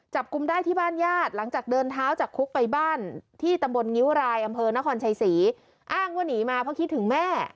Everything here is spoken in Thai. จับกลุ่มได้ที่บ้านญาติหลังจากเดินเท้าจากคุกไปบ้านที่ตำบลงิ้วรายอำเภอนครชัยศรีอ้างว่าหนีมาเพราะคิดถึงแม่